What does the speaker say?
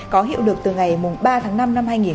có hiệu lực từ ngày ba tháng năm năm hai nghìn một mươi chín